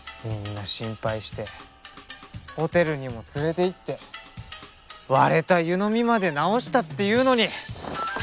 みんな心配してホテルにも連れて行って割れた湯飲みまで直したっていうのに！